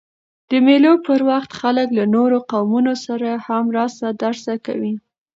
د مېلو پر وخت خلک له نورو قومونو سره هم راسه درسه کوي.